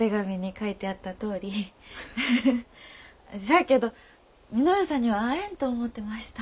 しゃあけど稔さんには会えんと思うてました。